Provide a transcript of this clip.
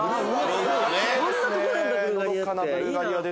こんなとこなんだ！いいな！